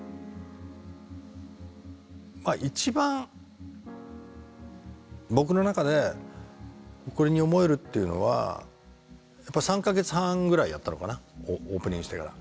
まあ一番僕の中で誇りに思えるっていうのはやっぱり３か月半ぐらいやったのかなオープニングしてから。